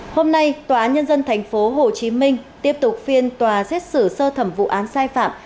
hôm nay tòa án nhân dân tp hcm tiếp tục phiên tòa xét xử sơ thẩm vụ án sai phạm